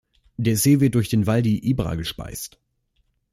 Der See wird durch den Wadi Ibra gespeist.